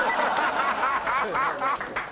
ハハハハ！